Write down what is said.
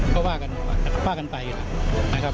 ขอบคุณครับ